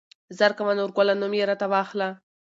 زر کوه نورګله نوم يې راته واخله.